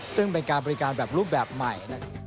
ซึ่งเป็นการบริการแบบรูปแบบใหม่นะครับ